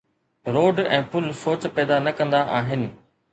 Road ۽ پل سوچ پيدا نه ڪندا آهن.